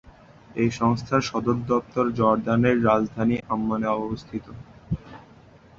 এই সংস্থার সদর দপ্তর জর্দানের রাজধানী আম্মানে অবস্থিত।